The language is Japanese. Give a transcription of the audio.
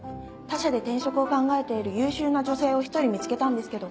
他社で転職を考えている優秀な女性を１人見つけたんですけど。